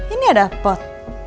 ini ada pot